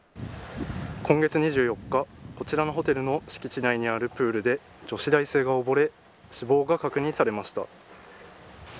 めざまし８は、姉妹の父親に今月２４日、こちらのホテルの敷地内にあるプールで女子大生が溺れ死亡が確認されました。